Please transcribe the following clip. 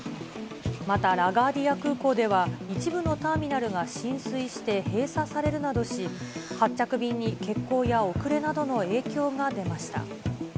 また、ラガーディア空港では、一部のターミナルが浸水して閉鎖されるなどし、発着便に欠航や遅れなどの影響が出ました。